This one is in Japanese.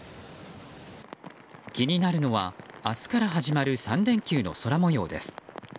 気になるのは明日から始まる３連休の空模様です。